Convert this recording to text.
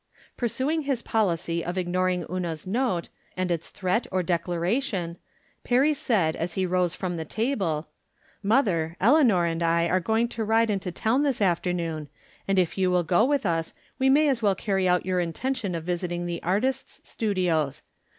Pursuing his policy of ignoring Una's note, and its threat or declaration, Perry said, as he rose from the table :" Mother, Eleanor and I are going to ride into town this afternoon, and if you will go with us we vaaj as well carry out our intention of visit ing the artists' studios.